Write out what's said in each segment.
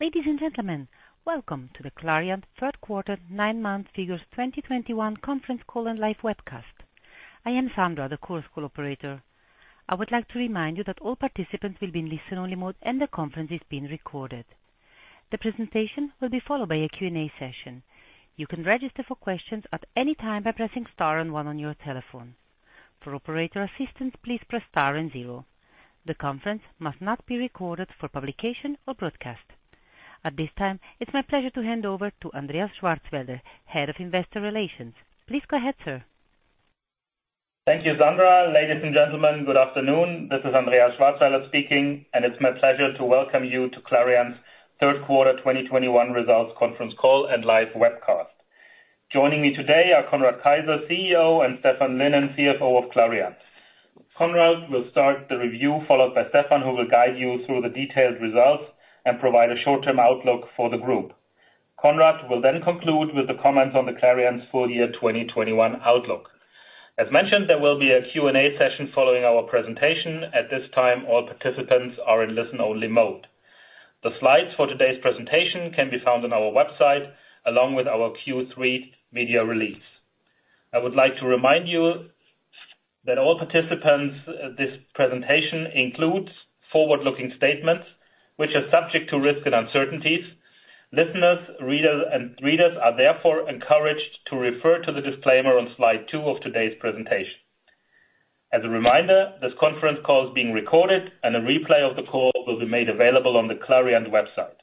Ladies and gentlemen, welcome to the Clariant Third Quarter Nine Month Figures 2021 conference call and live webcast. I am Sandra, the Chorus Call operator. I would like to remind you that all participants will be in listen-only mode and the conference is being recorded. The presentation will be followed by a Q&A session. You can register for questions at any time by pressing star and one on your telephone. For operator assistance, please press star and zero. The conference must not be recorded for publication or broadcast. At this time, it's my pleasure to hand over to Andreas Schwarzwälder, Head of Investor Relations. Please go ahead, sir. Thank you, Sandra. Ladies and gentlemen, good afternoon. This is Andreas Schwarzwälder speaking, and it's my pleasure to welcome you to Clariant's Q3 2021 results conference call and live webcast. Joining me today are Conrad Keijzer, CEO, and Stephan Lynen, CFO of Clariant. Conrad will start the review, followed by Stephan, who will guide you through the detailed results and provide a short-term outlook for the group. Conrad will then conclude with the comments on Clariant's full year 2021 outlook. As mentioned, there will be a Q&A session following our presentation. At this time, all participants are in listen-only mode. The slides for today's presentation can be found on our website, along with our Q3 media release. I would like to remind you that all participants, this presentation includes forward-looking statements which are subject to risks and uncertainties. Listeners, readers are therefore encouraged to refer to the disclaimer on slide 2 of today's presentation. As a reminder, this conference call is being recorded and a replay of the call will be made available on the Clariant website.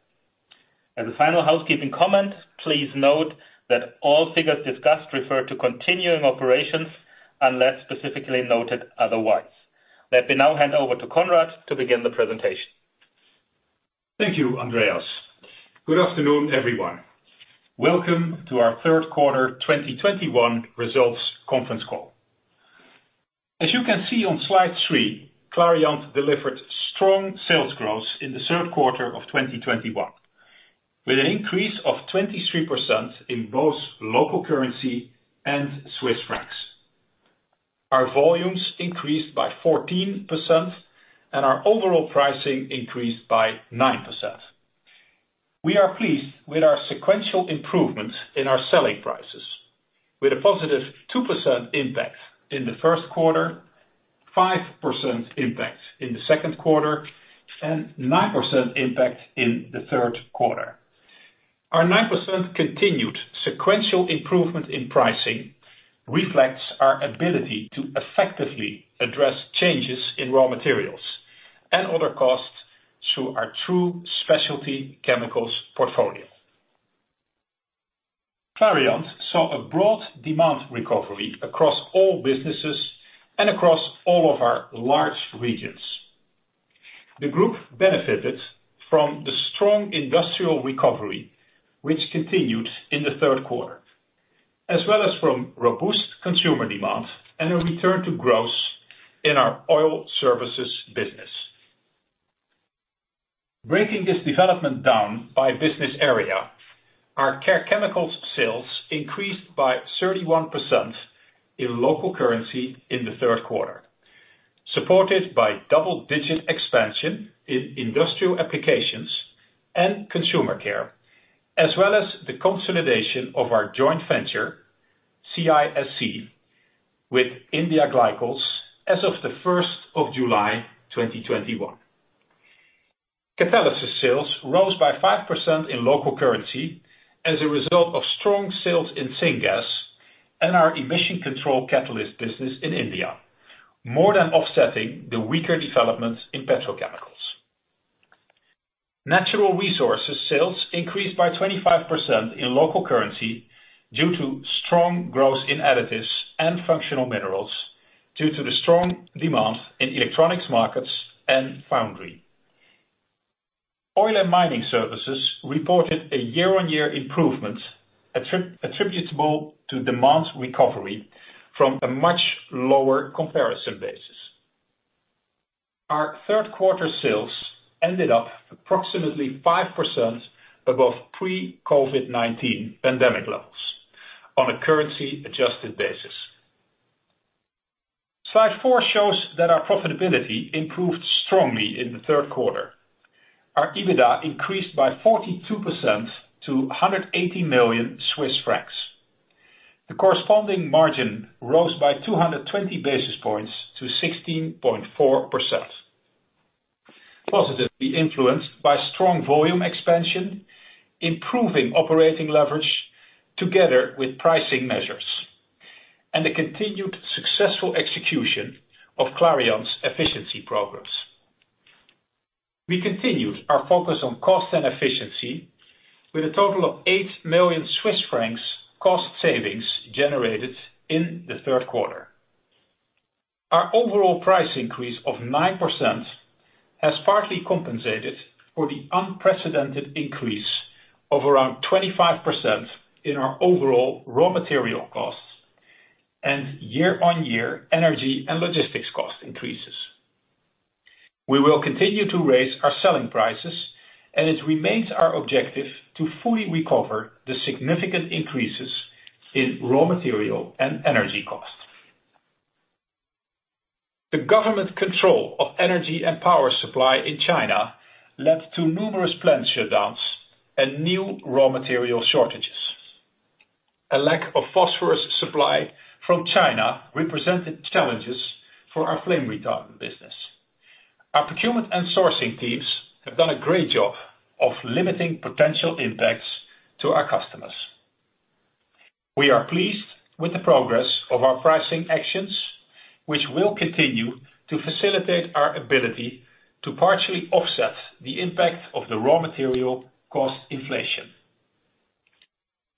As a final housekeeping comment, please note that all figures discussed refer to continuing operations unless specifically noted otherwise. Let me now hand over to Conrad to begin the presentation. Thank you, Andreas. Good afternoon, everyone. Welcome to our third quarter 2021 results conference call. As you can see on slide 3, Clariant delivered strong sales growth in the third quarter of 2021, with an increase of 23% in both local currency and Swiss francs. Our volumes increased by 14%, and our overall pricing increased by 9%. We are pleased with our sequential improvement in our selling prices with a positive 2% impact in the first quarter, 5% impact in the second quarter, and 9% impact in the third quarter. Our 9% continued sequential improvement in pricing reflects our ability to effectively address changes in raw materials and other costs through our true specialty chemicals portfolio. Clariant saw a broad demand recovery across all businesses and across all of our large regions. The group benefited from the strong industrial recovery, which continued in the third quarter, as well as from robust consumer demand and a return to growth in our oil services business. Breaking this development down by business area, our Care Chemicals sales increased by 31% in local currency in the third quarter, supported by double-digit expansion in industrial applications and consumer care, as well as the consolidation of our joint venture, CISC, with India Glycols as of July 1, 2021. Catalysis sales rose by 5% in local currency as a result of strong sales in syngas and our emission control catalyst business in India, more than offsetting the weaker developments in petrochemicals. Natural Resources sales increased by 25% in local currency due to strong growth in additives and functional minerals, due to the strong demand in electronics markets and foundry. Oil and Mining Services reported a year-on-year improvement attributable to demand recovery from a much lower comparison basis. Our third quarter sales ended up approximately 5% above pre-COVID-19 pandemic levels on a currency adjusted basis. Slide 4 shows that our profitability improved strongly in the third quarter. Our EBITDA increased by 42% to 180 million Swiss francs. The corresponding margin rose by 220 basis points to 16.4%, positively influenced by strong volume expansion, improving operating leverage together with pricing measures, and the continued successful execution of Clariant's efficiency progress. We continued our focus on cost and efficiency with a total of 8 million Swiss francs cost savings generated in the third quarter. Our overall price increase of 9% has partly compensated for the unprecedented increase of around 25% in our overall raw material costs and year-on-year energy and logistics cost increases. We will continue to raise our selling prices, and it remains our objective to fully recover the significant increases in raw material and energy costs. The government control of energy and power supply in China led to numerous plant shutdowns and new raw material shortages. A lack of phosphorus supply from China represented challenges for our flame retardant business. Our procurement and sourcing teams have done a great job of limiting potential impacts to our customers. We are pleased with the progress of our pricing actions, which will continue to facilitate our ability to partially offset the impact of the raw material cost inflation.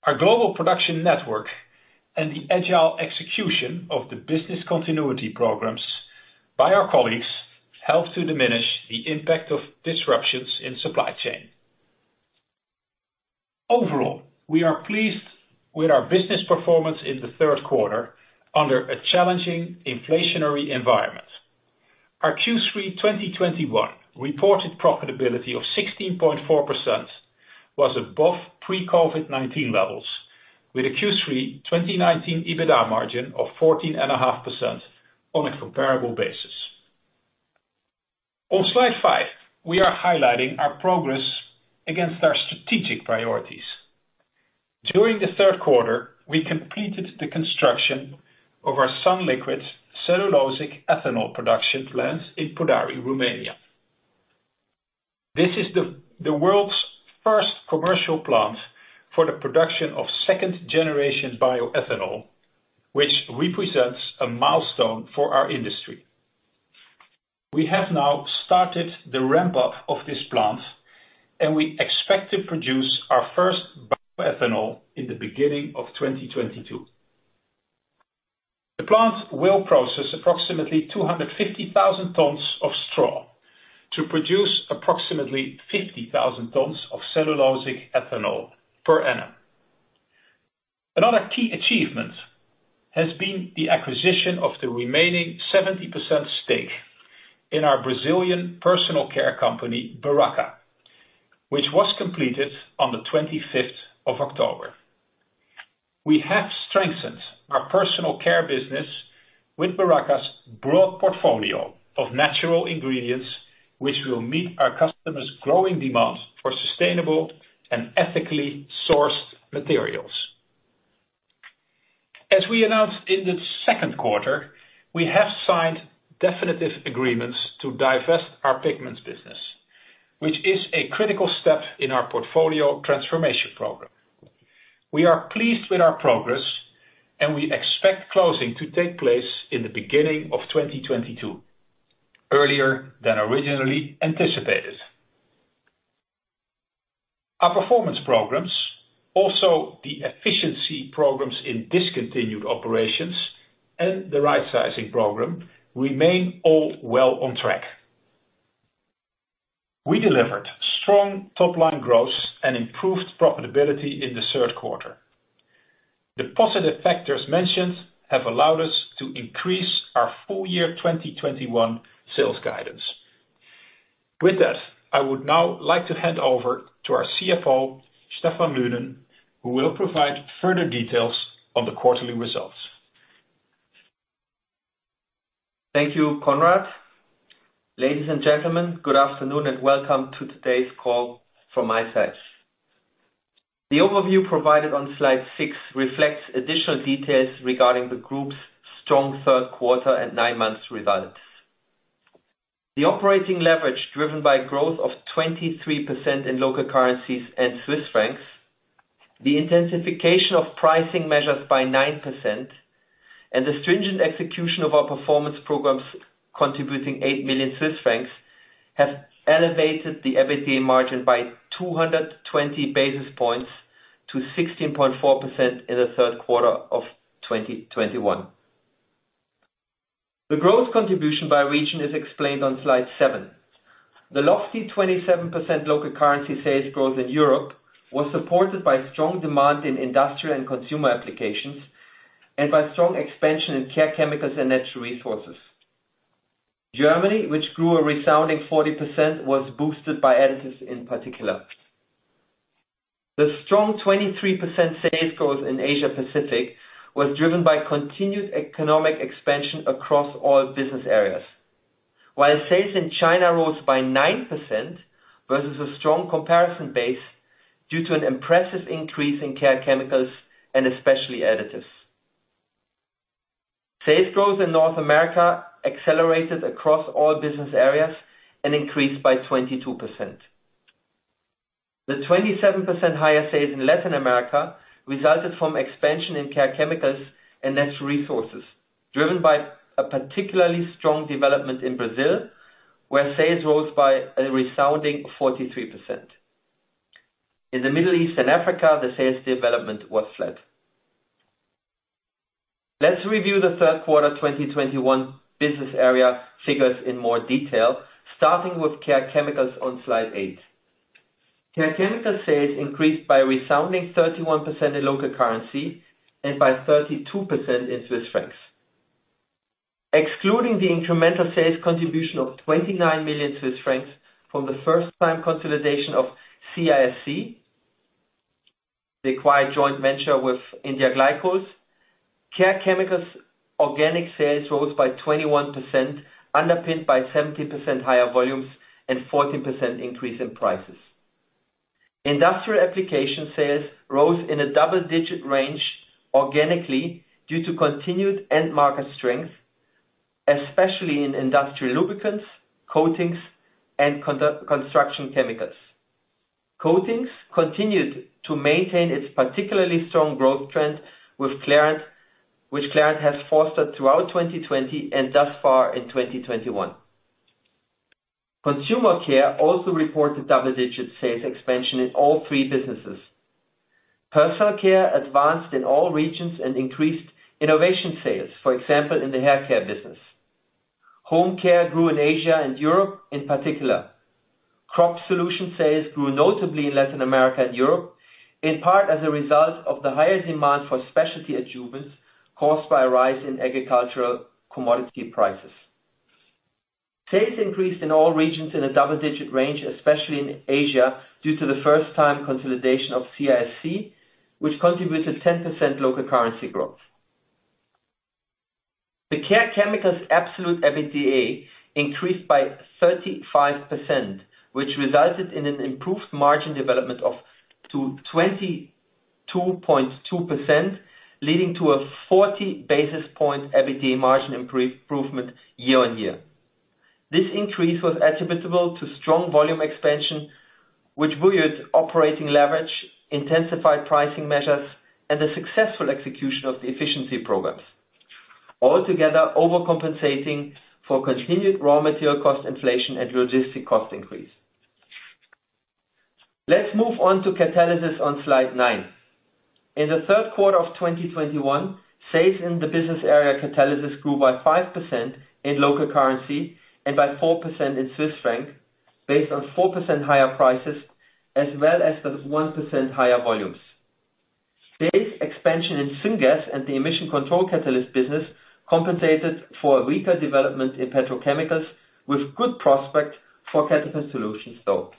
Our global production network and the agile execution of the business continuity programs by our colleagues helped to diminish the impact of disruptions in supply chain. Overall, we are pleased with our business performance in the third quarter under a challenging inflationary environment. Our Q3 2021 reported profitability of 16.4% was above pre-COVID-19 levels, with a Q3 2019 EBITDA margin of 14.5% on a comparable basis. On slide 5, we are highlighting our progress against our strategic priorities. During the third quarter, we completed the construction of our sunliquid cellulosic ethanol production plant in Podari, Romania. This is the world's first commercial plant for the production of second generation bioethanol, which represents a milestone for our industry. We have now started the ramp up of this plant, and we expect to produce our first bioethanol in the beginning of 2022. The plant will process approximately 250,000 tons of straw to produce approximately 50,000 tons of cellulosic ethanol per annum. Another key achievement has been the acquisition of the remaining 70% stake in our Brazilian personal care company, Beraca, which was completed on the twenty-fifth of October. We have strengthened our personal care business with Beraca's broad portfolio of natural ingredients, which will meet our customers' growing demand for sustainable and ethically sourced materials. As we announced in the second quarter, we have signed definitive agreements to divest our pigments business, which is a critical step in our portfolio transformation program. We are pleased with our progress, and we expect closing to take place in the beginning of 2022, earlier than originally anticipated. Our performance programs, also the efficiency programs in discontinued operations and the rightsizing program, remain all well on track. We delivered strong top-line growth and improved profitability in the third quarter. The positive factors mentioned have allowed us to increase our full year 2021 sales guidance. With that, I would now like to hand over to our CFO, Stephan Lynen, who will provide further details on the quarterly results. Thank you, Conrad. Ladies and gentlemen, good afternoon and welcome to today's call from my side. The overview provided on slide 6 reflects additional details regarding the group's strong third quarter and nine months results. The operating leverage driven by growth of 23% in local currencies and Swiss francs, the intensification of pricing measures by 9%, and the stringent execution of our performance programs contributing 8 million Swiss francs, have elevated the EBITDA margin by 220 basis points to 16.4% in the third quarter of 2021. The growth contribution by region is explained on slide 7. The lofty 27% local currency sales growth in Europe was supported by strong demand in industrial and consumer applications and by strong expansion in Care Chemicals and Natural Resources. Germany, which grew a resounding 40%, was boosted by Additives in particular. The strong 23% sales growth in Asia Pacific was driven by continued economic expansion across all business areas. While sales in China rose by 9% versus a strong comparison base due to an impressive increase in Care Chemicals and especially Additives. Sales growth in North America accelerated across all business areas and increased by 22%. The 27% higher sales in Latin America resulted from expansion in Care Chemicals and Natural Resources, driven by a particularly strong development in Brazil, where sales rose by a resounding 43%. In the Middle East and Africa, the sales development was flat. Let's review the third quarter 2021 business area figures in more detail, starting with Care Chemicals on slide 8. Care Chemicals sales increased by a resounding 31% in local currency and by 32% in Swiss francs. Excluding the incremental sales contribution of 29 million Swiss francs from the first-time consolidation of CISC. The acquired joint venture with India Glycols. Care Chemicals organic sales rose by 21%, underpinned by 70% higher volumes and 14% increase in prices. Industrial application sales rose in a double-digit range organically due to continued end market strength, especially in industrial lubricants, coatings, and construction chemicals. Coatings continued to maintain its particularly strong growth trend with Clariant, which has fostered throughout 2020 and thus far in 2021. Consumer care also reported double-digit sales expansion in all three businesses. Personal care advanced in all regions and increased innovation sales, for example, in the hair care business. Home care grew in Asia and Europe, in particular. Crop solution sales grew notably in Latin America and Europe, in part as a result of the higher demand for specialty adjuvants caused by a rise in agricultural commodity prices. Sales increased in all regions in a double-digit range, especially in Asia, due to the first time consolidation of CISC, which contributed 10% local currency growth. The Care Chemicals absolute EBITDA increased by 35%, which resulted in an improved margin development to 22.2%, leading to a 40 basis point EBITDA margin improvement year-on-year. This increase was attributable to strong volume expansion, which buoyed operating leverage, intensified pricing measures, and the successful execution of the efficiency programs. Altogether overcompensating for continued raw material cost inflation and logistic cost increase. Let's move on to Catalysis on slide 9. In the third quarter of 2021, sales in the business area Catalysis grew by 5% in local currency and by 4% in CHF, based on 4% higher prices as well as the 1% higher volumes. Sales expansion in syngas and the emission control catalyst business compensated for a weaker development in petrochemicals with good prospect for catalyst solutions, though.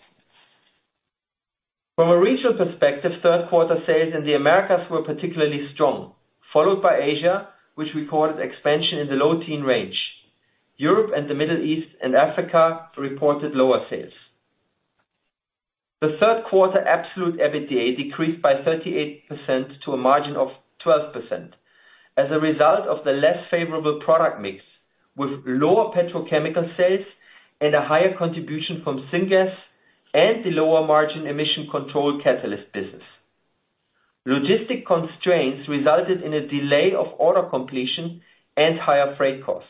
From a regional perspective, third quarter sales in the Americas were particularly strong, followed by Asia, which reported expansion in the low-teen range. Europe and the Middle East and Africa reported lower sales. The third quarter absolute EBITDA decreased by 38% to a margin of 12% as a result of the less favorable product mix, with lower petrochemical sales and a higher contribution from syngas and the lower margin emission control catalyst business. Logistic constraints resulted in a delay of order completion and higher freight cost.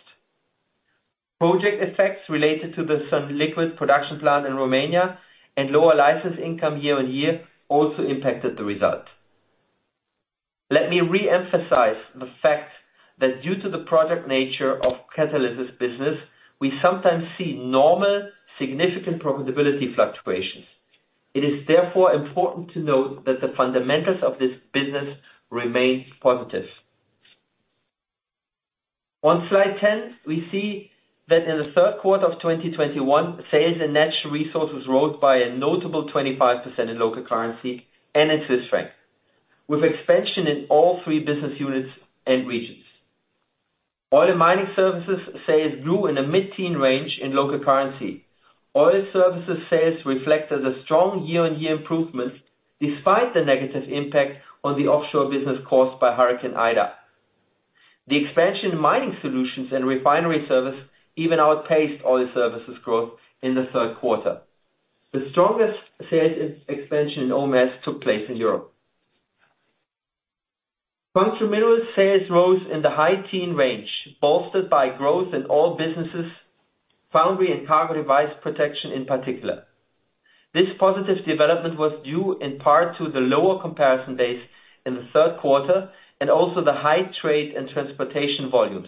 Project effects related to the sunliquid production plant in Romania and lower license income year-on-year also impacted the result. Let me reemphasize the fact that due to the product nature of Catalysis business, we sometimes see normal, significant profitability fluctuations. It is therefore important to note that the fundamentals of this business remain positive. On slide 10, we see that in the third quarter of 2021, sales in Natural Resources rose by a notable 25% in local currency and in Swiss franc, with expansion in all three business units and regions. Oil and Mining Services sales grew in a mid-teen range in local currency. Oil services sales reflected a strong year-on-year improvement despite the negative impact on the offshore business caused by Hurricane Ida. The expansion in mining solutions and refinery service even outpaced oil services growth in the third quarter. The strongest sales expansion in OMS took place in Europe. Functional Minerals sales rose in the high-teen range, bolstered by growth in all businesses, foundry and Cargo & Device Protection in particular. This positive development was due in part to the lower comparison base in the third quarter and also the high trade and transportation volumes.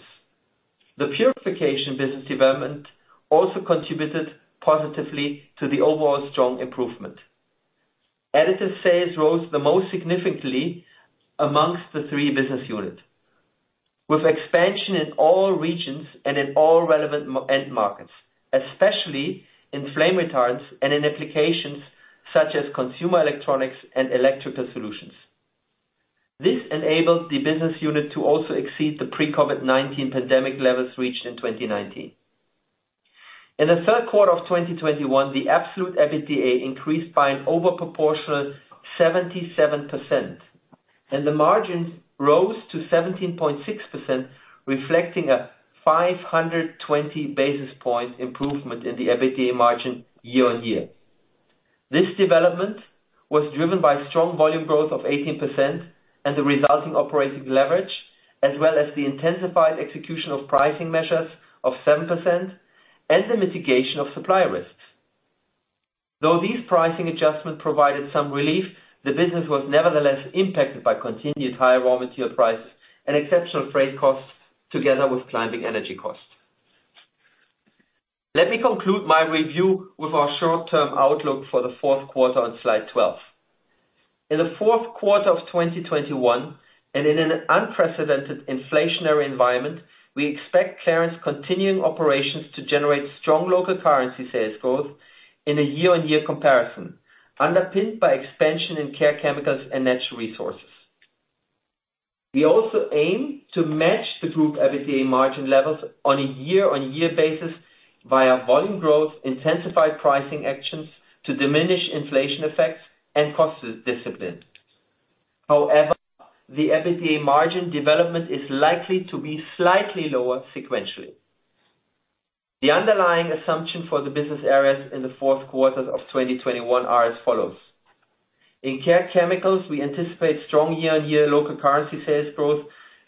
The purification business development also contributed positively to the overall strong improvement. Additives sales rose the most significantly among the three business unit, with expansion in all regions and in all relevant end markets, especially in flame retardants and in applications such as consumer electronics and electrical solutions. This enabled the business unit to also exceed the pre-COVID-19 pandemic levels reached in 2019. In the third quarter of 2021, the absolute EBITDA increased by an over proportional 77%, and the margins rose to 17.6%, reflecting a 520 basis point improvement in the EBITDA margin year-on-year. This development was driven by strong volume growth of 18% and the resulting operating leverage, as well as the intensified execution of pricing measures of 7% and the mitigation of supply risks. Though these pricing adjustments provided some relief, the business was nevertheless impacted by continued higher raw material prices and exceptional freight costs together with climbing energy costs. Let me conclude my review with our short-term outlook for the fourth quarter on slide 12. In the fourth quarter of 2021, in an unprecedented inflationary environment, we expect Clariant's continuing operations to generate strong local currency sales growth in a year-on-year comparison, underpinned by expansion in Care Chemicals and Natural Resources. We also aim to match the group EBITDA margin levels on a year-on-year basis via volume growth, intensified pricing actions to diminish inflation effects and cost discipline. However, the EBITDA margin development is likely to be slightly lower sequentially. The underlying assumption for the business areas in the fourth quarter of 2021 are as follows. In Care Chemicals, we anticipate strong year-on-year local currency sales growth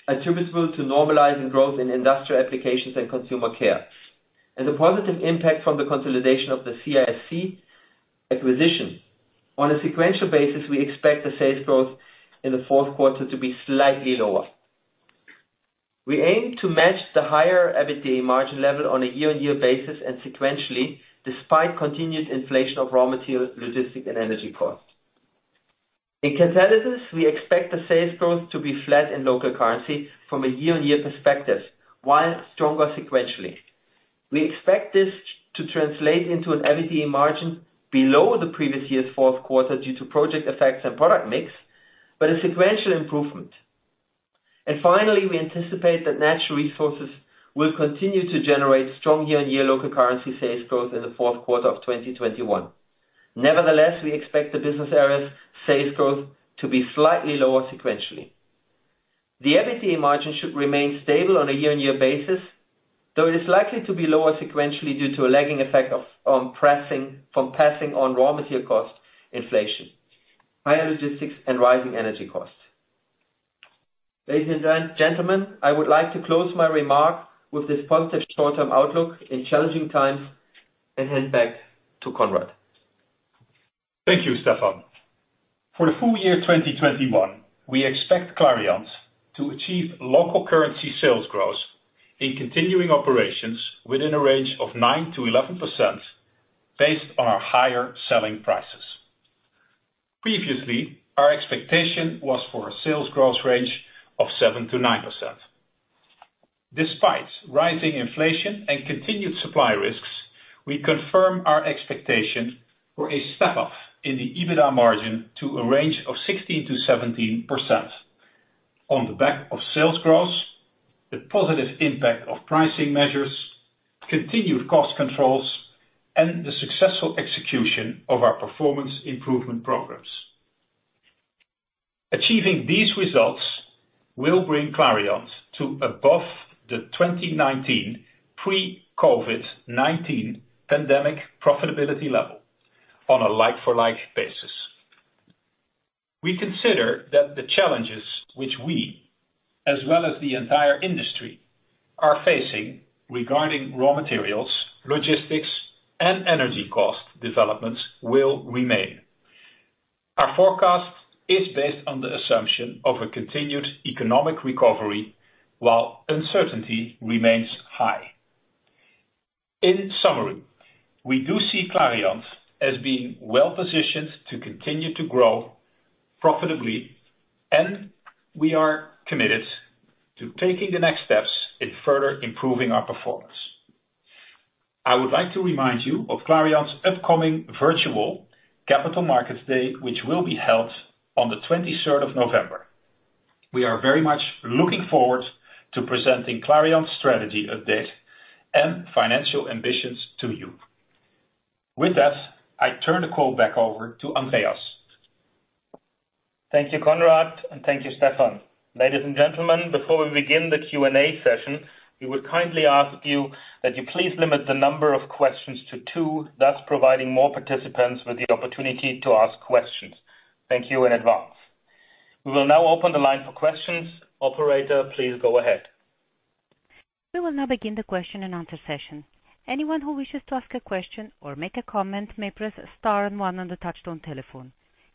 attributable to normalizing growth in industrial applications and consumer care, and the positive impact from the consolidation of the CISC acquisition. On a sequential basis, we expect the sales growth in the fourth quarter to be slightly lower. We aim to match the higher EBITDA margin level on a year-on-year basis and sequentially, despite continued inflation of raw material, logistics and energy costs. In Catalysis, we expect the sales growth to be flat in local currency from a year-on-year perspective, while stronger sequentially. We expect this to translate into an EBITDA margin below the previous year's fourth quarter due to project effects and product mix, but a sequential improvement. Finally, we anticipate that Natural Resources will continue to generate strong year-on-year local currency sales growth in the fourth quarter of 2021. Nevertheless, we expect the business areas sales growth to be slightly lower sequentially. The EBITDA margin should remain stable on a year-on-year basis, though it is likely to be lower sequentially due to a lagging effect of passing on raw material cost inflation, higher logistics and rising energy costs. Ladies and gentlemen, I would like to close my remarks with this positive short-term outlook in challenging times and hand back to Conrad. Thank you, Stephan. For the full year 2021, we expect Clariant to achieve local currency sales growth in continuing operations within a range of 9%-11% based on our higher selling prices. Previously, our expectation was for a sales growth range of 7%-9%. Despite rising inflation and continued supply risks, we confirm our expectation for a step-up in the EBITDA margin to a range of 16%-17% on the back of sales growth, the positive impact of pricing measures, continued cost controls, and the successful execution of our performance improvement programs. Achieving these results will bring Clariant to above the 2019 pre-COVID-19 pandemic profitability level on a like-for-like basis. We consider that the challenges which we, as well as the entire industry, are facing regarding raw materials, logistics, and energy cost developments will remain. Our forecast is based on the assumption of a continued economic recovery while uncertainty remains high. In summary, we do see Clariant as being well-positioned to continue to grow profitably, and we are committed to taking the next steps in further improving our performance. I would like to remind you of Clariant's upcoming virtual Capital Markets Day, which will be held on the 23rd of November. We are very much looking forward to presenting Clariant's strategy update and financial ambitions to you. With that, I turn the call back over to Andreas. Thank you, Conrad, and thank you, Stephan. Ladies and gentlemen, before we begin the Q&A session, we would kindly ask you that you please limit the number of questions to two, thus providing more participants with the opportunity to ask questions. Thank you in advance. We will now open the line for questions. Operator, please go ahead. We will now begin the question and answer session. Anyone who wishes to ask a question or make a comment may press star and one on the touchtone telephone.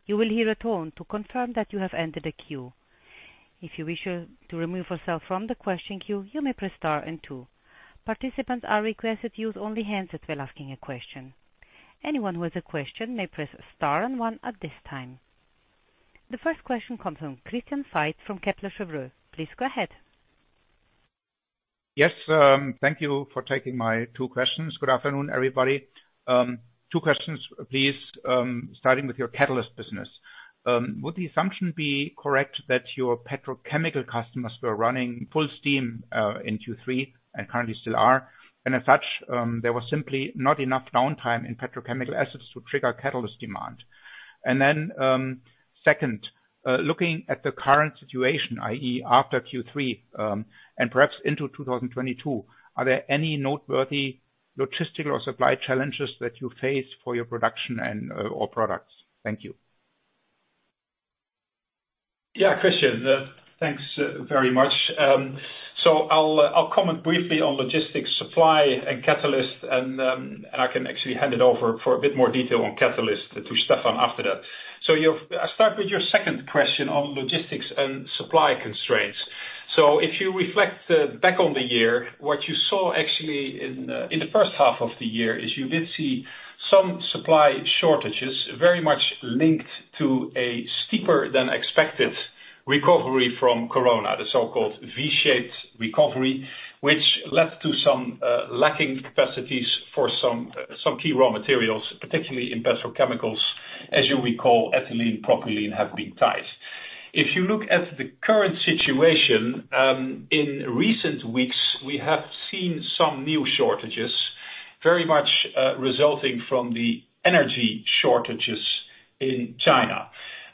You will hear a tone to confirm that you have entered a queue. If you wish to remove yourself from the question queue, you may press star and two. Participants are requested to use only the handset while asking a question. Anyone who has a question may press star and one at this time. The first question comes from Christian Faitz from Kepler Cheuvreux. Please go ahead. Yes, thank you for taking my two questions. Good afternoon, everybody. Two questions, please, starting with your catalyst business. Would the assumption be correct that your petrochemical customers were running full steam in Q3 and currently still are? As such, there was simply not enough downtime in petrochemical assets to trigger catalyst demand. Then, second, looking at the current situation, i.e., after Q3, and perhaps into 2022, are there any noteworthy logistical or supply challenges that you face for your production and, or products? Thank you. Yeah, Christian, thanks very much. I'll comment briefly on logistics, supply and catalyst, and I can actually hand it over for a bit more detail on catalyst to Stephan after that. I'll start with your second question on logistics and supply constraints. If you reflect back on the year, what you saw actually in the first half of the year is you did see some supply shortages very much linked to a steeper than expected recovery from Corona, the so-called V-shaped recovery, which led to some lacking capacities for some key raw materials, particularly in petrochemicals. As you recall, ethylene, propylene have been tight. If you look at the current situation, in recent weeks, we have seen some new shortages, very much resulting from the energy shortages in China.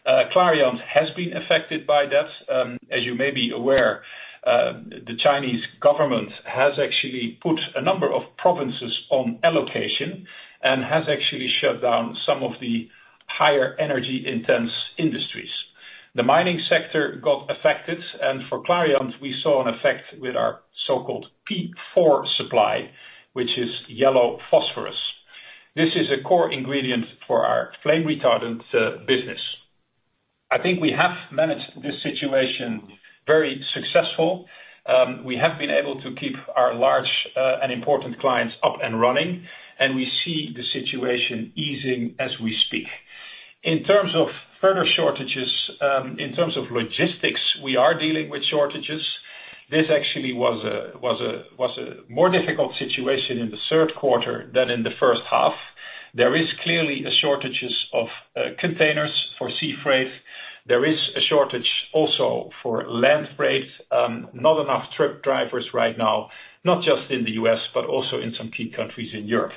Clariant has been affected by that. As you may be aware, the Chinese government has actually put a number of provinces on allocation and has actually shut down some of the higher energy intense industries. The mining sector got affected, and for Clariant, we saw an effect with our so-called P4 supply, which is yellow phosphorus. This is a core ingredient for our flame retardant business. I think we have managed this situation very successful. We have been able to keep our large and important clients up and running, and we see the situation easing as we speak. In terms of further shortages, in terms of logistics, we are dealing with shortages. This actually was a more difficult situation in the third quarter than in the first half. There is clearly a shortages of containers for sea freight. There is a shortage also for land freight. Not enough truck drivers right now, not just in the U.S., but also in some key countries in Europe.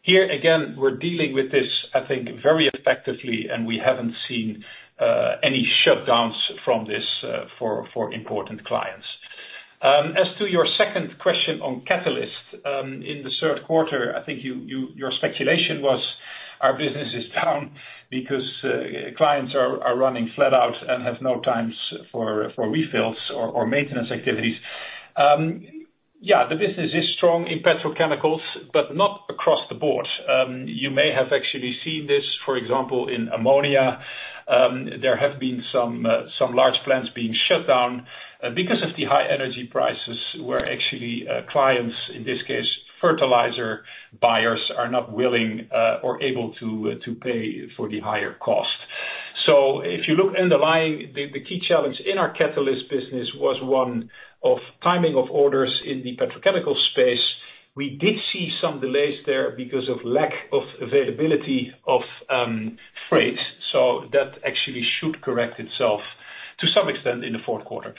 Here, again, we're dealing with this, I think, very effectively, and we haven't seen any shutdowns from this for important clients. As to your second question on catalyst, in the third quarter, I think your speculation was our business is down because clients are running flat out and have no times for refills or maintenance activities. Yeah, the business is strong in petrochemicals, but not across the board. You may have actually seen this, for example, in ammonia. There have been some large plants being shut down because of the high energy prices where actually clients, in this case, fertilizer buyers, are not willing or able to pay for the higher cost. If you look underlying, the key challenge in our catalyst business was one of timing of orders in the petrochemical space. We did see some delays there because of lack of availability of freight. That actually should correct itself to some extent in the fourth quarter.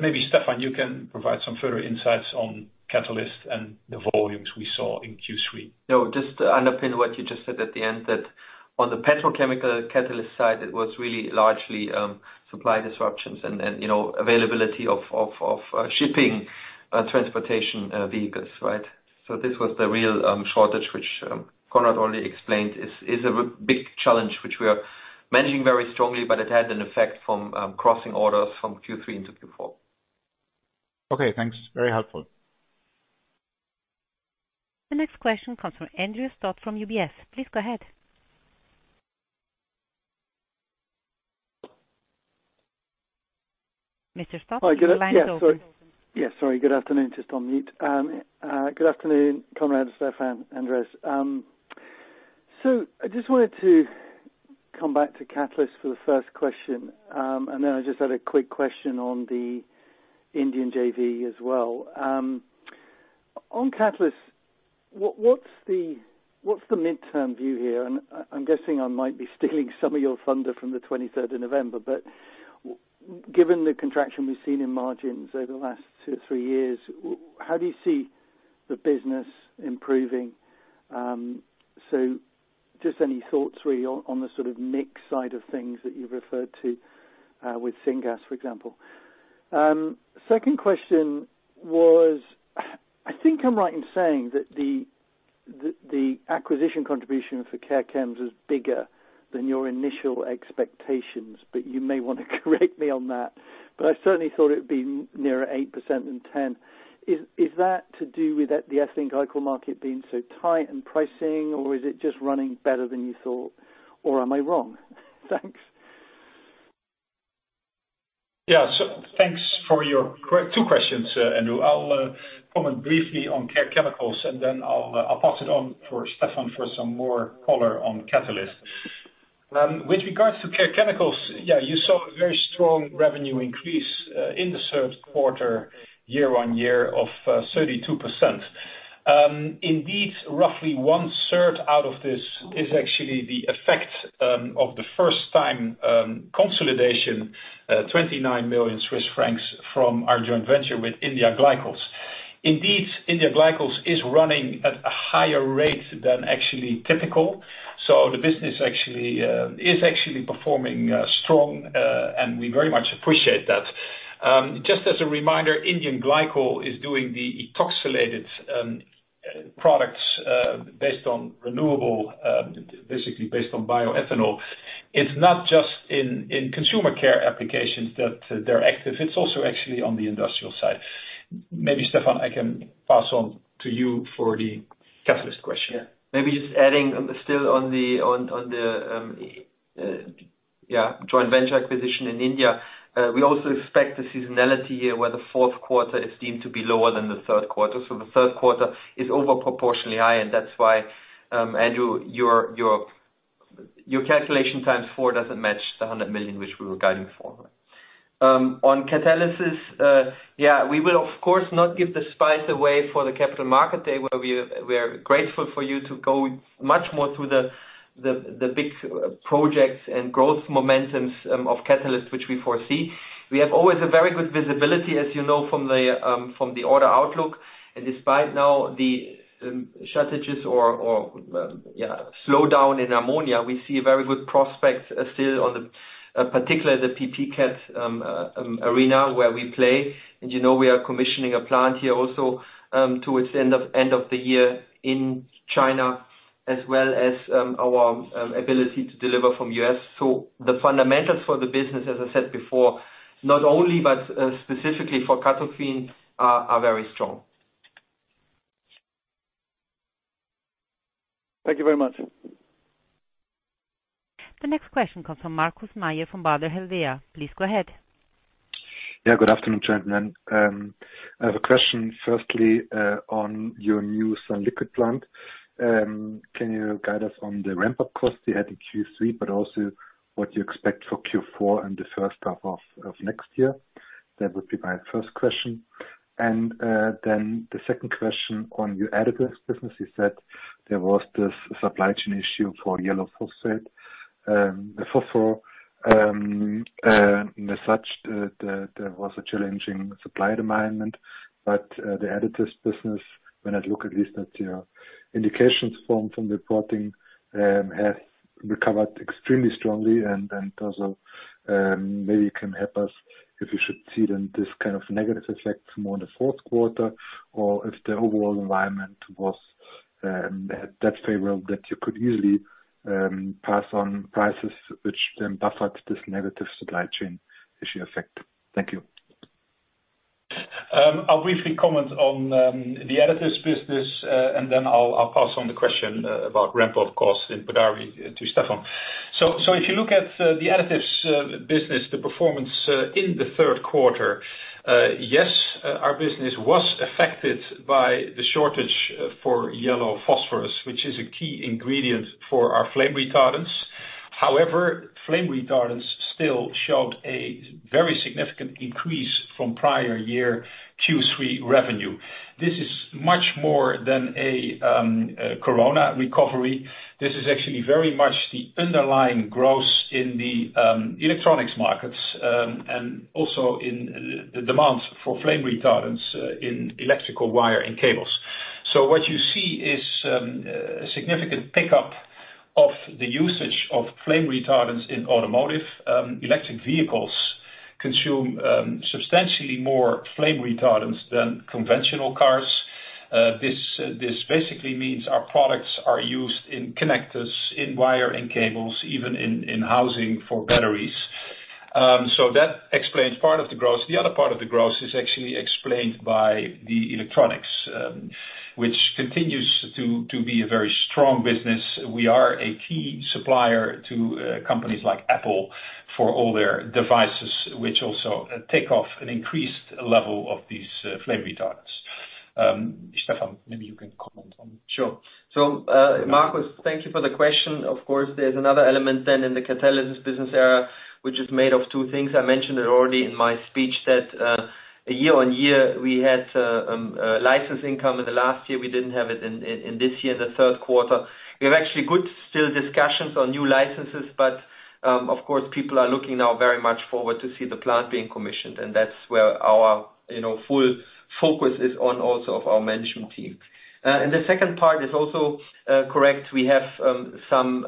Maybe Stephan, you can provide some further insights on catalyst and the volumes we saw in Q3. No, just to underpin what you just said at the end, that on the petrochemical catalyst side, it was really largely supply disruptions and, you know, availability of shipping transportation vehicles, right? This was the real shortage, which Conrad already explained is a big challenge, which we are managing very strongly, but it had an effect from crossing orders from Q3 into Q4. Okay, thanks. Very helpful. The next question comes from Andrew Stott from UBS. Please go ahead. Mr. Stott. Hi, good afternoon. Your line's open. Sorry. Good afternoon. Just on mute. Good afternoon, Conrad, Stephan, Andreas. So I just wanted to come back to catalyst for the first question. And then I just had a quick question on the Indian JV as well. On catalyst, what's the midterm view here? I'm guessing I might be stealing some of your thunder from the twenty-third of November. Given the contraction we've seen in margins over the last 2-3 years, how do you see the business improving? So just any thoughts really on the sort of mix side of things that you've referred to, with syngas, for example. Second question was, I think I'm right in saying that the acquisition contribution for Care Chemicals is bigger than your initial expectations, but you may wanna correct me on that. I certainly thought it would be nearer 8% than 10. Is that to do with the ethylene glycol market being so tight and pricing, or is it just running better than you thought, or am I wrong? Thanks. Thanks for your two questions, Andrew. I'll comment briefly on Care Chemicals, and then I'll pass it on to Stephan for some more color on catalyst. With regards to Care Chemicals, you saw a very strong revenue increase in the third quarter, year-over-year of 32%. Indeed, roughly one-third out of this is actually the effect of the first-time consolidation, 29 million Swiss francs from our joint venture with India Glycols. Indeed, India Glycols is running at a higher rate than actually typical. The business actually is actually performing strong, and we very much appreciate that. Just as a reminder, India Glycols is doing the ethoxylated products based on renewable, basically based on bioethanol. It's not just in consumer care applications that they're active, it's also actually on the industrial side. Maybe Stephan, I can pass on to you for the catalyst question. Yeah. Maybe just adding still on the joint venture acquisition in India. We also expect the seasonality here, where the fourth quarter is deemed to be lower than the third quarter. The third quarter is disproportionately high, and that's why, Andrew, your calculation times four doesn't match the 100 million which we were guiding for. On Catalysis, we will of course not give the specifics away for the Capital Markets Day, where we are going to go much more through the big projects and growth momentums of Catalysis which we foresee. We have always a very good visibility, as you know, from the order outlook. Despite the shortages or slowdown in ammonia, we see a very good prospect still, in particular, the petrochemical catalysts arena where we play. You know, we are commissioning a plant here also towards the end of the year in China, as well as our ability to deliver from U.S. The fundamentals for the business, as I said before, not only but specifically for CATOFIN are very strong. Thank you very much. The next question comes from Markus Mayer from Baader Helvea. Please go ahead. Good afternoon, gentlemen. I have a question firstly on your new sunliquid plant. Can you guide us on the ramp-up costs you had in Q3, but also what you expect for Q4 and the first half of next year? That would be my first question. Then the second question on your Additives business, you said there was this supply chain issue for yellow phosphorus. The phosphorus, as such, there was a challenging supply environment. The Additives business, when I look at least at your indications from reporting, has recovered extremely strongly. Maybe you can help us if you should see then this kind of negative effects more in the fourth quarter or if the overall environment was that favorable that you could easily pass on prices which then buffers this negative supply chain issue effect. Thank you. I'll briefly comment on the Additives business, and then I'll pass on the question about ramp-up costs in Podari to Stephan. If you look at the Additives business, the performance in the third quarter, yes, our business was affected by the shortage for yellow phosphorus, which is a key ingredient for our flame retardants. However, flame retardants still showed a very significant increase from prior year Q3 revenue. This is much more than a corona recovery. This is actually very much the underlying growth in the electronics markets and also in the demands for flame retardants in electrical wire and cables. What you see is a significant pickup of the usage of flame retardants in automotive. Electric vehicles consume substantially more flame retardants than conventional cars. This basically means our products are used in connectors, in wire and cables, even in housing for batteries. That explains part of the growth. The other part of the growth is actually explained by the electronics, which continues to be a very strong business. We are a key supplier to companies like Apple for all their devices, which also take up an increased level of these flame retardants. Stephan, maybe you can comment on. Sure. Markus, thank you for the question. Of course, there's another element then in the Catalysis business area, which is made of two things. I mentioned it already in my speech that year-on-year, we had a license income in the last year. We didn't have it in this year, the third quarter. We have actually still good discussions on new licenses, but of course, people are looking very much forward now to see the plant being commissioned. That's where our full focus is on also of our management team, you know. The second part is also correct. We have some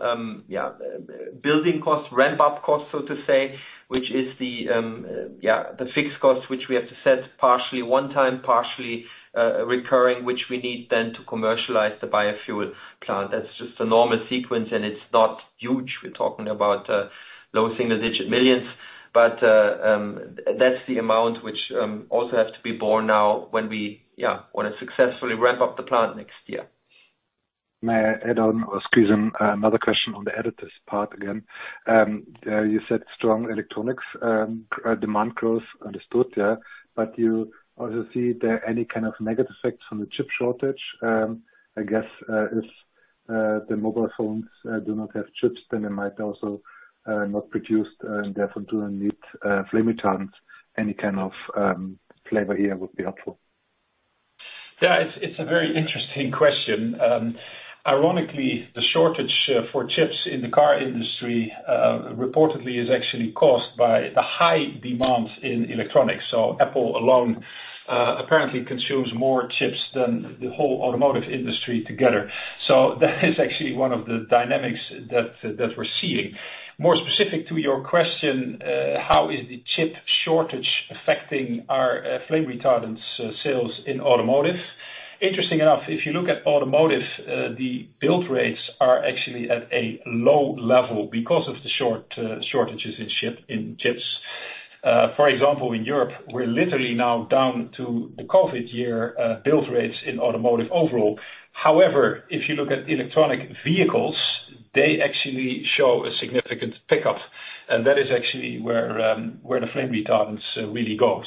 building costs, ramp-up costs, so to say, which is the fixed costs, which we have to set partially one time, partially recurring, which we need then to commercialize the biofuel plant. That's just a normal sequence, and it's not huge. We're talking about low single-digit millions. That's the amount which also have to be borne now when we wanna successfully ramp up the plant next year. May I add on or squeeze in another question on the Additives part again? You said strong electronics demand growth. Understood, yeah. You also see there any kind of negative effects from the chip shortage? I guess if the mobile phones do not have chips, then they might also not produce and therefore do not need flame retardants. Any kind of flavor here would be helpful. Yeah, it's a very interesting question. Ironically, the shortage for chips in the car industry reportedly is actually caused by the high demand in electronics. Apple alone apparently consumes more chips than the whole automotive industry together. That is actually one of the dynamics that we're seeing. More specific to your question, how is the chip shortage affecting our flame retardants sales in automotive? Interesting enough, if you look at automotive, the build rates are actually at a low level because of the shortages in chips. For example, in Europe, we're literally now down to the COVID year build rates in automotive overall. However, if you look at electric vehicles, they actually show a significant pickup, and that is actually where the flame retardants really go.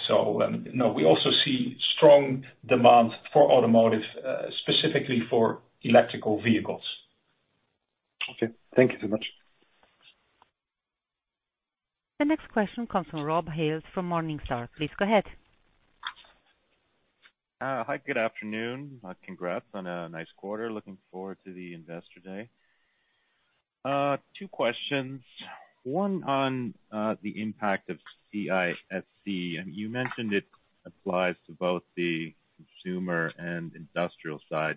No, we also see strong demand for automotive, specifically for electric vehicles. Okay, thank you so much. The next question comes from Rob Hales from Morningstar. Please go ahead. Hi, good afternoon. Congrats on a nice quarter. Looking forward to the investor day. Two questions. One on the impact of ICS. You mentioned it applies to both the consumer and industrial side,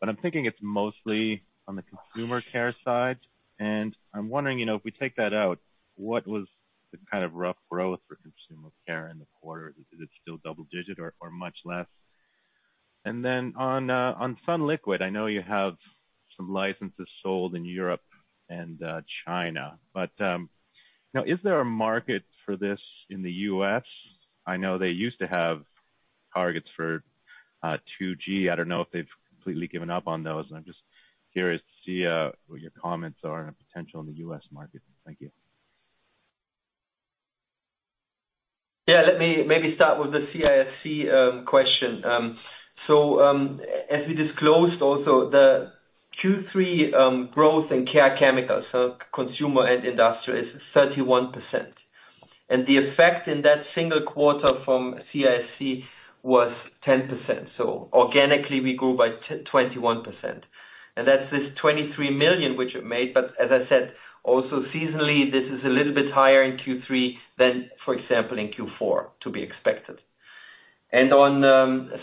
but I'm thinking it's mostly on the consumer care side. I'm wondering, you know, if we take that out, what was the kind of rough growth for consumer care in the quarter? Is it still double digit or much less? Then on sunliquid, I know you have some licenses sold in Europe and China. Now, is there a market for this in the U.S.? I know they used to have targets for 2G. I don't know if they've completely given up on those. I'm just curious to see what your comments are on a potential in the U.S. market. Thank you. Yeah. Let me maybe start with the ICS question. As we disclosed also, the Q3 growth in Care Chemicals, so consumer and industrial, is 31%. The effect in that single quarter from ICS was 10%. Organically, we grew by 21%. That's this 23 million which it made. As I said, also seasonally, this is a little bit higher in Q3 than, for example, in Q4 to be expected. On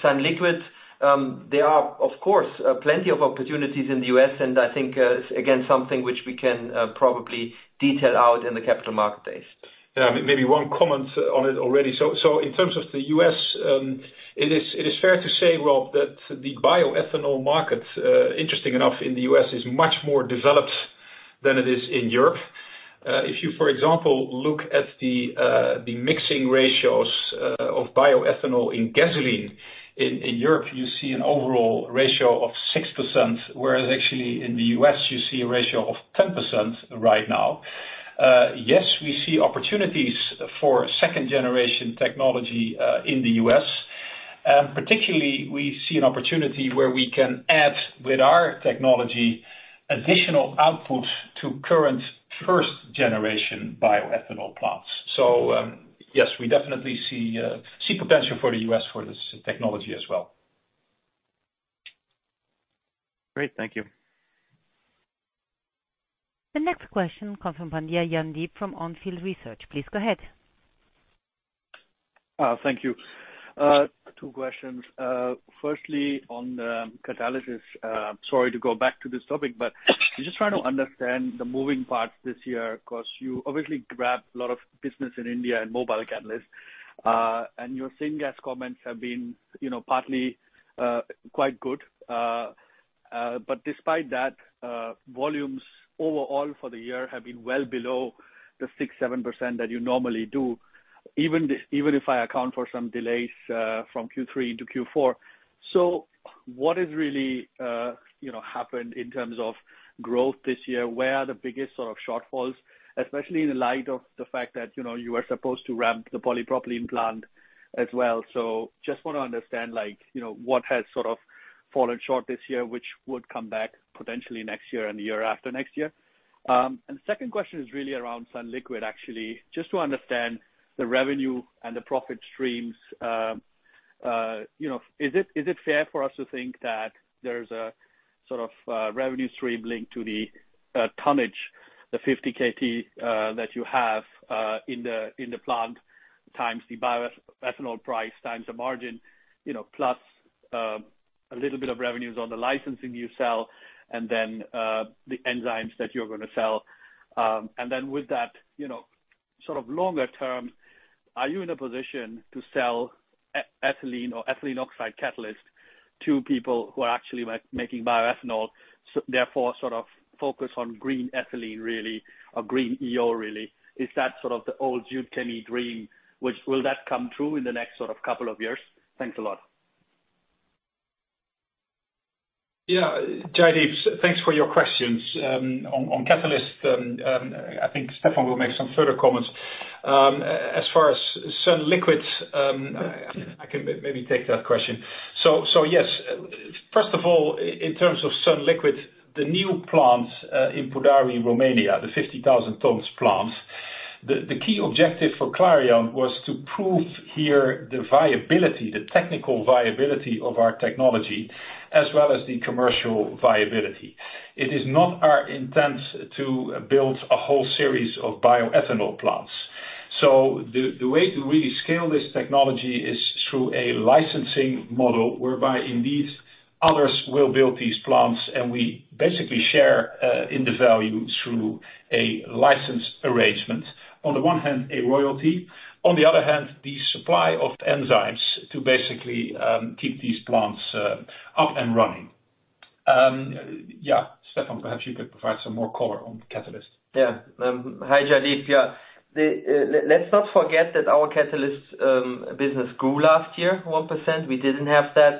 sunliquid, there are, of course, plenty of opportunities in the U.S., and I think, again, something which we can probably detail out in the Capital Markets Day. Yeah, maybe one comment on it already. In terms of the U.S., it is fair to say, Rob, that the bioethanol market, interesting enough in the U.S., is much more developed than it is in Europe. If you, for example, look at the mixing ratios of bioethanol in gasoline in Europe, you see an overall ratio of 6%, whereas actually in the U.S., you see a ratio of 10% right now. Yes, we see opportunities for second generation technology in the U.S. Particularly, we see an opportunity where we can add with our technology, additional outputs to current first generation bioethanol plants. Yes, we definitely see potential for the U.S. for this technology as well. Great. Thank you. The next question comes from Jaideep Pandya from On Field Investment Research. Please go ahead. Thank you. Two questions. Firstly, on the Catalysis, sorry to go back to this topic, but I'm just trying to understand the moving parts this year 'cause you obviously grabbed a lot of business in India and mobile catalysts, and your syngas comments have been, you know, partly quite good. But despite that, volumes overall for the year have been well below the 6%-7% that you normally do, even if I account for some delays from Q3 into Q4. What has really, you know, happened in terms of growth this year? Where are the biggest sort of shortfalls, especially in the light of the fact that, you know, you were supposed to ramp the polypropylene plant as well. Just wanna understand, like, you know, what has sort of fallen short this year, which would come back potentially next year and the year after next year. The second question is really around sunliquid, actually. Just to understand the revenue and the profit streams. Is it fair for us to think that there's a sort of revenue stream linked to the tonnage, the 50 KT that you have in the plant times the bioethanol price times the margin, you know, plus a little bit of revenues on the licensing you sell, and then the enzymes that you're gonna sell. With that, you know, sort of longer term, are you in a position to sell ethylene or ethylene oxide catalyst to people who are actually making bioethanol, so therefore, sort of focus on green ethylene really, or green EO really? Is that sort of the old Jubail dream, which will that come through in the next sort of couple of years? Thanks a lot. Yeah. Jaydeep, thanks for your questions. On catalyst, I think Stephan will make some further comments. As far as Sunliquid, I can maybe take that question. Yes, first of all, in terms of Sunliquid, the new plant in Podari, Romania, the 50,000 tons plant, the key objective for Clariant was to prove here the viability, the technical viability of our technology, as well as the commercial viability. It is not our intent to build a whole series of bioethanol plants. The way to really scale this technology is through a licensing model, whereby indeed others will build these plants, and we basically share in the value through a license arrangement. On the one hand, a royalty. On the other hand, the supply of enzymes to basically keep these plants up and running. Yeah. Stephan, perhaps you could provide some more color on catalyst. Yeah. Hi, Jaideep. Yeah. Let's not forget that our catalyst business grew last year 1%. We didn't have that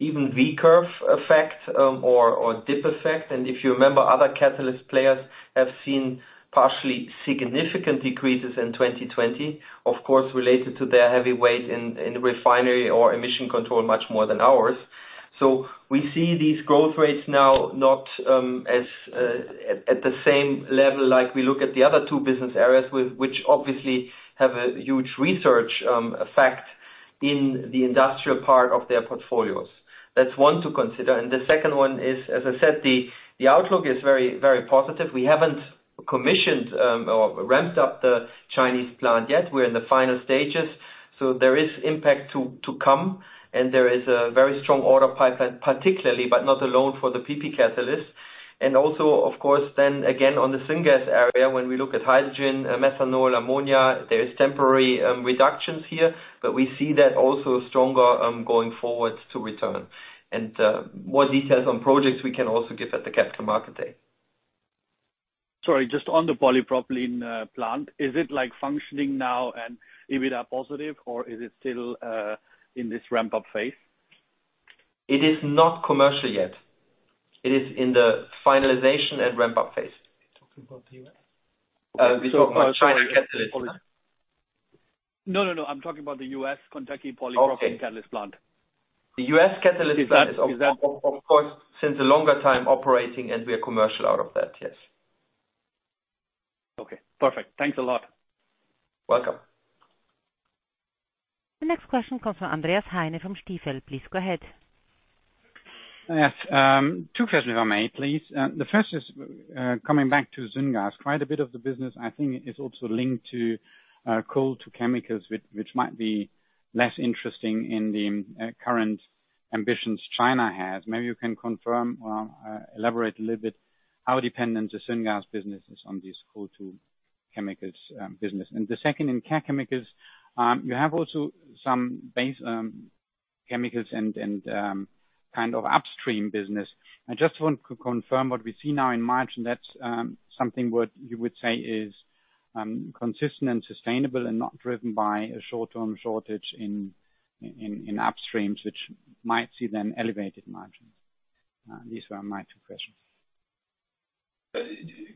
even V curve effect or dip effect. If you remember, other catalyst players have seen partially significant decreases in 2020, of course, related to their heavy weight in refinery or emission control much more than ours. We see these growth rates now not as at the same level like we look at the other two business areas which obviously have a huge research effect in the industrial part of their portfolios. That's one to consider. The second one is, as I said, the outlook is very, very positive. We haven't commissioned or ramped up the Chinese plant yet. We're in the final stages. There is impact to come, and there is a very strong order pipeline, particularly, but not alone, for the PP catalyst. Also, of course, then again, on the syngas area, when we look at hydrogen, methanol, ammonia, there is temporary reductions here, but we see that also stronger going forward to return. More details on projects we can also give at the Capital Markets Day. Sorry, just on the polypropylene plant. Is it, like, functioning now and EBITDA positive, or is it still in this ramp-up phase? It is not commercial yet. It is in the finalization and ramp-up phase. Are you talking about the U.S.? We're talking about China catalyst. No, no. I'm talking about the U.S. Kentucky polypropylene catalyst plant. The U.S. catalyst plant is, of course, operating since a longer time, and we are commercial out of that, yes. Okay, perfect. Thanks a lot. Welcome. The next question comes from Andreas Heine from Stifel. Please go ahead. Yes, two questions if I may, please. The first is coming back to syngas. Quite a bit of the business, I think, is also linked to coal to chemicals, which might be less interesting in the current ambitions China has. Maybe you can confirm or elaborate a little bit how dependent the syngas business is on this coal to chemicals business. The second, in Care Chemicals, you have also some base chemicals and kind of upstream business. I just want to confirm what we see now in March, and that's something what you would say is consistent and sustainable and not driven by a short-term shortage in upstream, which might see then elevated margins. These were my two questions.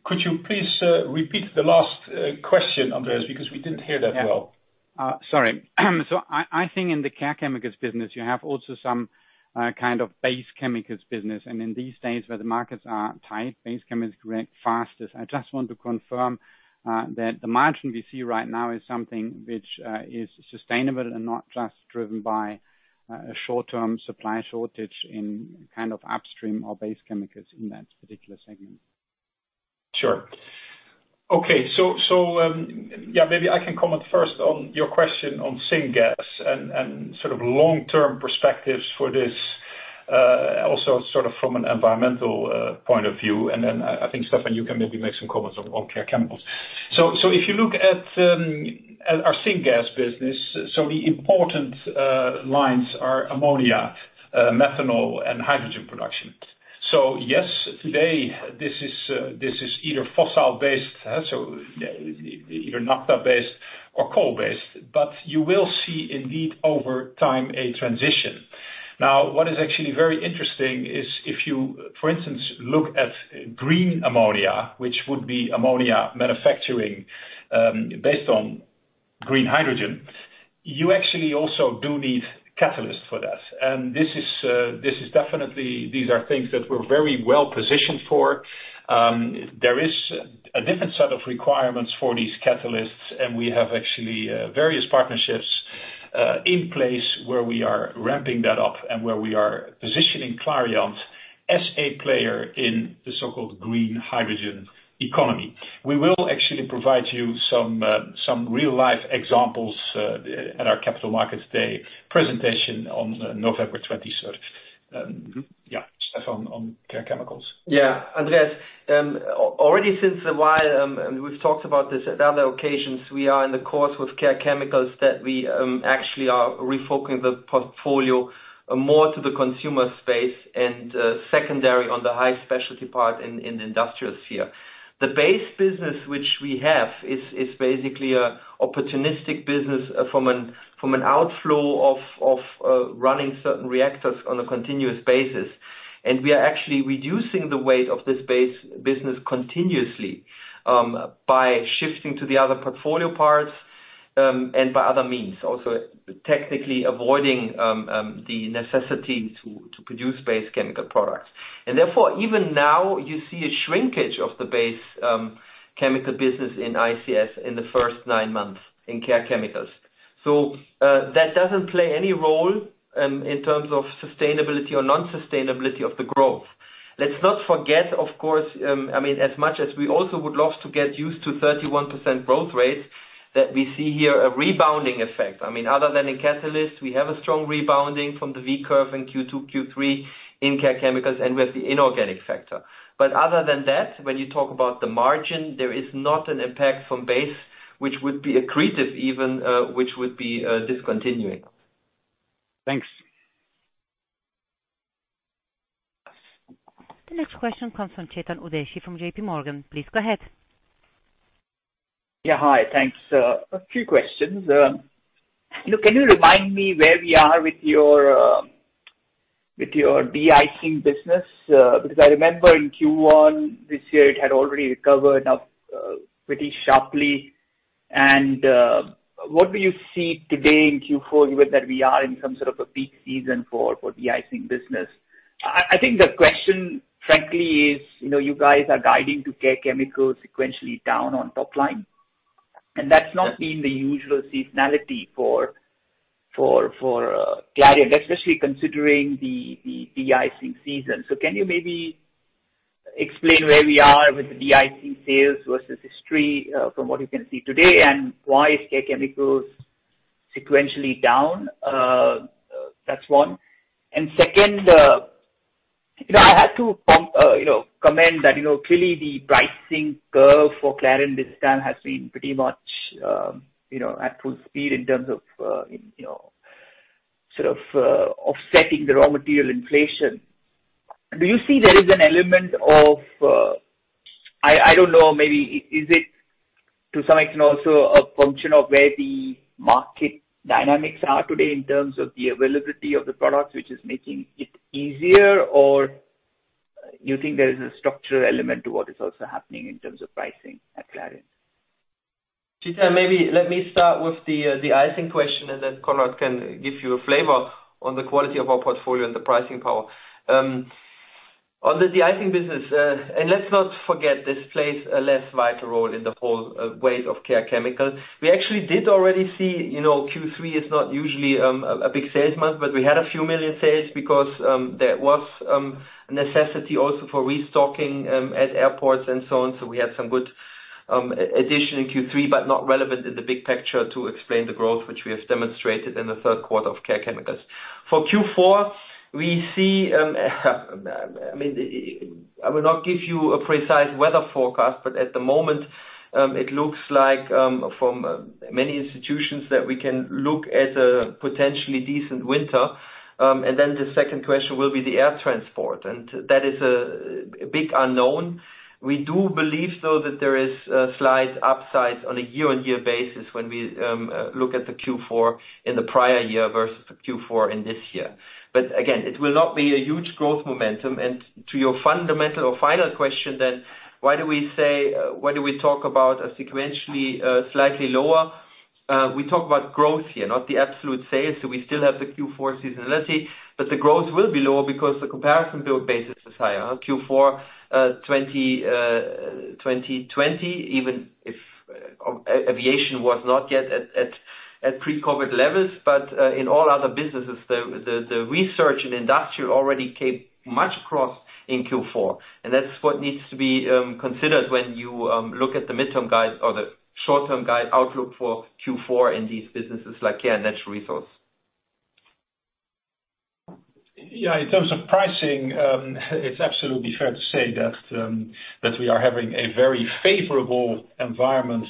Could you please repeat the last question, Andreas, because we didn't hear that well. Yeah. Sorry. I think in the Care Chemicals business, you have also some kind of base chemicals business. In these days where the markets are tight, base chemicals grow fastest. I just want to confirm that the margin we see right now is something which is sustainable and not just driven by a short-term supply shortage in kind of upstream or base chemicals in that particular segment. Maybe I can comment first on your question on syngas and sort of long-term perspectives for this, also sort of from an environmental point of view. I think, Stephan, you can maybe make some comments on Care Chemicals. If you look at our syngas business, the important lines are ammonia, methanol, and hydrogen production. Yes, today this is either fossil-based, so either natural gas-based or coal-based. You will see indeed over time a transition. Now, what is actually very interesting is if you, for instance, look at green ammonia, which would be ammonia manufacturing based on green hydrogen, you actually also do need catalysts for that. These are things that we're very well positioned for. There is a different set of requirements for these catalysts, and we have actually various partnerships in place where we are ramping that up and where we are positioning Clariant as a player in the so-called green hydrogen economy. We will actually provide you some real-life examples at our Capital Markets Day presentation on November 23. Stephan, on Care Chemicals. Yeah. Andreas, already since a while, and we've talked about this at other occasions, we are in the course with Care Chemicals that we actually are refocusing the portfolio more to the consumer space and secondary on the high specialty part in the industrial sphere. The base business which we have is basically an opportunistic business from an outflow of running certain reactors on a continuous basis. We are actually reducing the weight of this base business continuously by shifting to the other portfolio parts and by other means, also technically avoiding the necessity to produce base chemical products. Therefore, even now you see a shrinkage of the base chemical business in ICS in the first nine months in Care Chemicals. That doesn't play any role in terms of sustainability or non-sustainability of the growth. Let's not forget, of course, I mean, as much as we also would love to get used to 31% growth rate, that we see here a rebounding effect. I mean, other than in Catalysis, we have a strong rebounding from the V curve in Q2, Q3 in Care Chemicals, and with the inorganic factor. Other than that, when you talk about the margin, there is not an impact from Base, which would be accretive even, which would be discontinuing. Thanks. The next question comes from Chetan Udeshi from J.P. Morgan. Please go ahead. Yeah. Hi. Thanks. A few questions. You know, can you remind me where we are with your de-icing business? Because I remember in Q1 this year, it had already recovered pretty sharply. What do you see today in Q4, given that we are in some sort of a peak season for de-icing business? I think the question frankly is, you know, you guys are guiding to Care Chemicals sequentially down on top line, and that's not been the usual seasonality for Clariant, especially considering the de-icing season. Can you maybe explain where we are with the de-icing sales versus history, from what you can see today, and why is Care Chemicals sequentially down? That's one. Second, you know, I have to comment that, you know, clearly the pricing curve for Clariant this time has been pretty much, you know, at full speed in terms of, you know, sort of, offsetting the raw material inflation. Do you see there is an element of? I don't know, maybe is it to some extent also a function of where the market dynamics are today in terms of the availability of the products, which is making it easier? Or you think there is a structural element to what is also happening in terms of pricing at Clariant? Chetan, maybe let me start with the de-icing question, and then Conrad can give you a flavor on the quality of our portfolio and the pricing power. On the de-icing business, let's not forget this plays a less vital role in the whole weight of Care Chemicals. We actually did already see, you know, Q3 is not usually a big sales month, but we had a few million CHF in sales because there was a necessity also for restocking at airports and so on. We had some good addition in Q3, but not relevant in the big picture to explain the growth which we have demonstrated in the third quarter of Care Chemicals. For Q4, we see, I mean, I will not give you a precise weather forecast, but at the moment, it looks like from many institutions that we can look at a potentially decent winter. Then the second question will be the air transport, and that is a big unknown. We do believe, though, that there is a slight upside on a year-on-year basis when we look at the Q4 in the prior year versus the Q4 in this year. But again, it will not be a huge growth momentum. To your fundamental or final question then, why do we say, why do we talk about a sequentially slightly lower? We talk about growth here, not the absolute sales. We still have the Q4 seasonality, but the growth will be lower because the comparison build base is higher. Q4 2020, even if aviation was not yet at pre-COVID levels. In all other businesses, the Care and ICS already came much stronger in Q4, and that's what needs to be considered when you look at the midterm guide or the short-term guide outlook for Q4 in these businesses like Care and Natural Resources. Yeah. In terms of pricing, it's absolutely fair to say that we are having a very favorable environment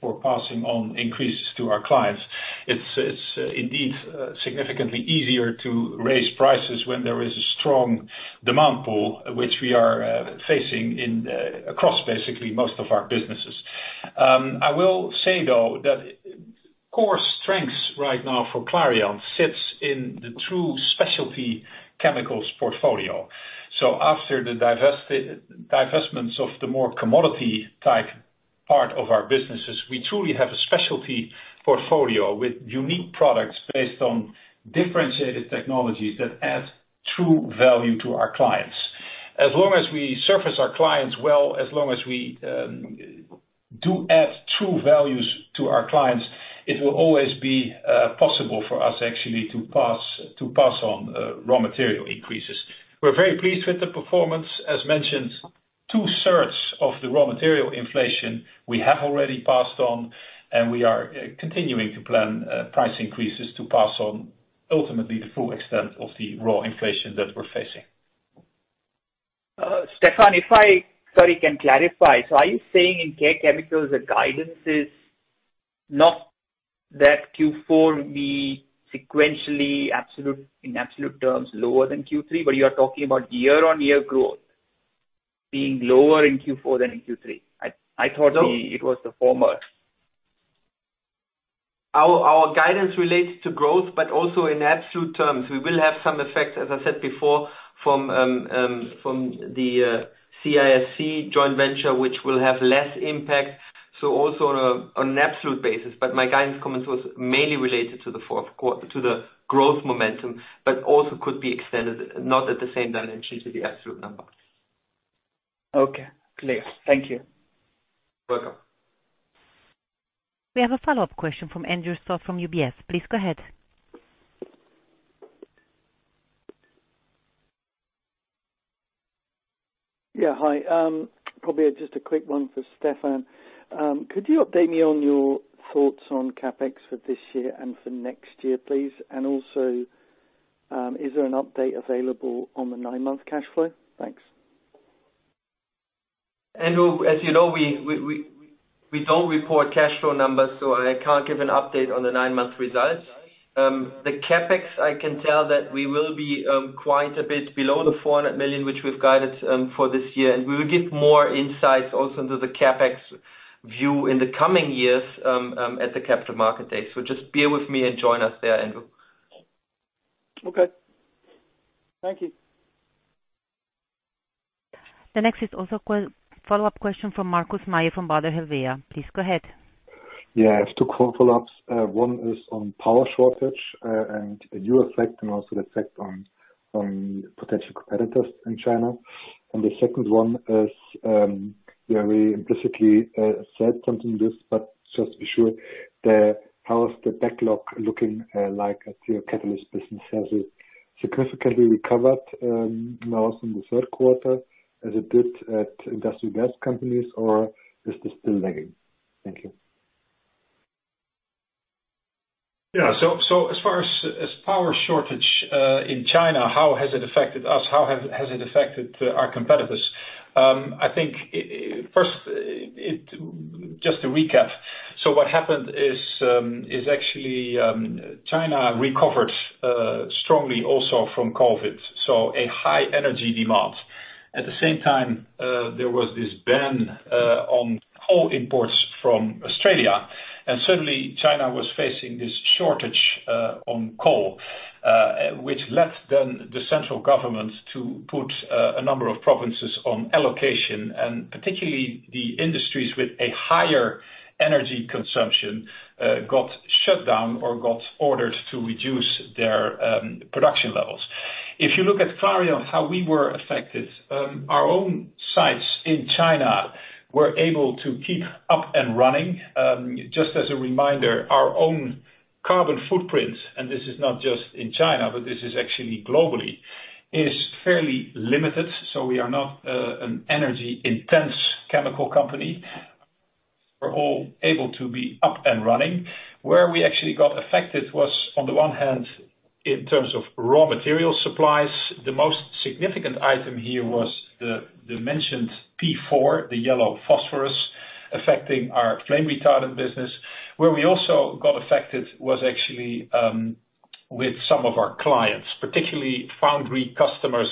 for passing on increases to our clients. It's indeed significantly easier to raise prices when there is a strong demand pool, which we are facing across basically most of our businesses. I will say, though, that core strengths right now for Clariant sits in the true specialty chemicals portfolio. So after the divestments of the more commodity type part of our businesses, we truly have a specialty portfolio with unique products based on differentiated technologies that add true value to our clients. As long as we service our clients well, as long as we do add true values to our clients, it will always be possible for us actually to pass on raw material increases. We're very pleased with the performance. As mentioned, two-thirds of the raw material inflation we have already passed on, and we are continuing to plan price increases to pass on ultimately the full extent of the raw inflation that we're facing. Stephan, can clarify. Are you saying in Care Chemicals, the guidance is not that Q4 will be sequentially absolute, in absolute terms lower than Q3, but you are talking about year-on-year growth being lower in Q4 than in Q3? I thought- No. It was the former. Our guidance relates to growth, but also in absolute terms. We will have some effect, as I said before, from the CISC joint venture, which will have less impact, so also on an absolute basis. My guidance comments was mainly related to the growth momentum, but also could be extended, not at the same dimension, to the absolute number. Okay, clear. Thank you. Welcome. We have a follow-up question from Andrew Stott from UBS. Please go ahead. Yeah, hi. Probably just a quick one for Stephan. Could you update me on your thoughts on CapEx for this year and for next year, please? Is there an update available on the nine-month cash flow? Thanks. Andrew, as you know, we don't report cash flow numbers, so I can't give an update on the nine-month results. The CapEx, I can tell that we will be quite a bit below the 400 million, which we've guided for this year, and we will give more insights also into the CapEx view in the coming years at the Capital Markets Day. Just bear with me and join us there, Andrew. Okay. Thank you. The next is also a follow-up question from Markus Mayer from Baader Helvea. Please go ahead. Yeah, I have two follow-ups. One is on power shortage, and the new effect and also the effect on potential competitors in China. The second one is, you know, we implicitly said something this, but just to be sure, how is the backlog looking like at your Catalysis? Has it significantly recovered now from the third quarter as it did at industrial gas companies, or is this still lagging? Thank you. As far as power shortage in China, how has it affected us? How has it affected our competitors? I think first, just to recap, what happened is, China recovered strongly also from COVID, so a high energy demand. At the same time, there was this ban on coal imports from Australia, and suddenly China was facing this shortage on coal, which led then the central government to put a number of provinces on allocation, and particularly the industries with a higher energy consumption got shut down or got orders to reduce their production levels. If you look at Clariant, how we were affected, our own sites in China were able to keep up and running. Just as a reminder, our own carbon footprint, and this is not just in China, but this is actually globally, is fairly limited, so we are not an energy intense chemical company. We're all able to be up and running. Where we actually got affected was on the one hand, in terms of raw material supplies. The most significant item here was the dimensions P4, the yellow phosphorus affecting our flame retardant business. Where we also got affected was actually with some of our clients, particularly Foundry customers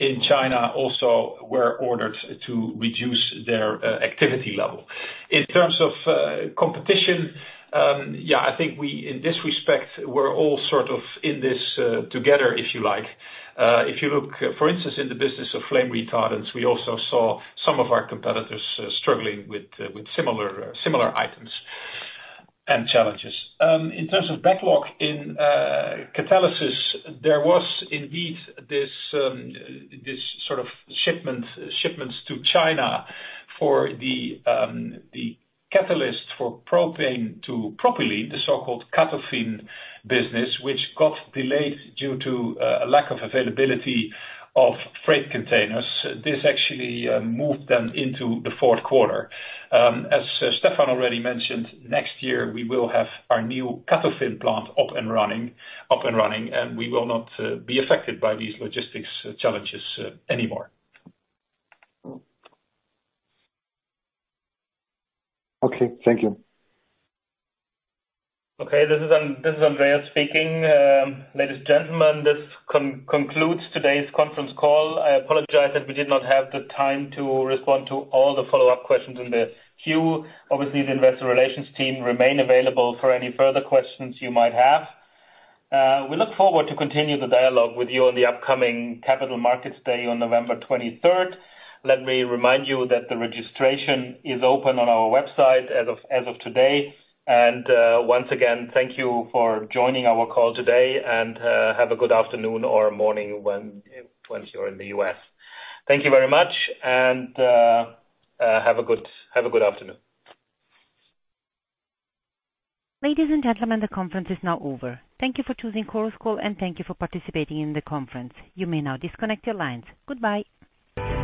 in China also were ordered to reduce their activity level. In terms of competition, in this respect, we're all sort of in this together, if you like. If you look, for instance, in the business of flame retardants, we also saw some of our competitors struggling with similar items and challenges. In terms of backlog in Catalysis, there was indeed this sort of shipments to China for the catalyst for propane to propylene, the so-called CATOFIN business, which got delayed due to a lack of availability of freight containers. This actually moved them into the fourth quarter. As Stephan already mentioned, next year we will have our new CATOFIN plant up and running, and we will not be affected by these logistics challenges anymore. Okay. Thank you. This is Andreas Schwarzwälder speaking. Ladies and gentlemen, this concludes today's conference call. I apologize that we did not have the time to respond to all the follow-up questions in the queue. Obviously, the investor relations team remain available for any further questions you might have. We look forward to continue the dialogue with you on the upcoming Capital Markets Day on November twenty-third. Let me remind you that the registration is open on our website as of today. Once again, thank you for joining our call today and have a good afternoon or morning when you're in the U.S. Thank you very much and have a good afternoon. Ladies and gentlemen, the conference is now over. Thank you for choosing Chorus Call, and thank you for participating in the conference. You may now disconnect your lines. Goodbye.